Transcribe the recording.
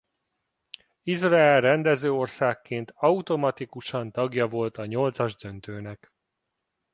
Izrael rendező országként automatikusan tagja volt a nyolcas döntőnek.